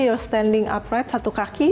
you're standing upright satu kaki